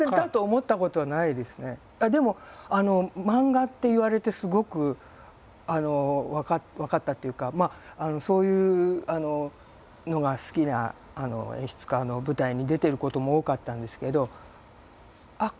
でも漫画って言われてすごく分かったっていうかそういうのが好きな演出家の舞台に出てることも多かったんですけどあっ